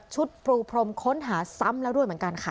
ปูพรมค้นหาซ้ำแล้วด้วยเหมือนกันค่ะ